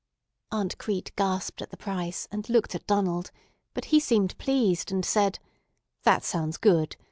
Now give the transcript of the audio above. Aunt Crete gasped at the price, and looked at Donald; but he seemed pleased, and said: "That sounds good.